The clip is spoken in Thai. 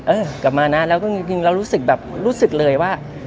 เออกลับมานะแล้วก็จริงเรารู้สึกแบบรู้สึกเลยว่า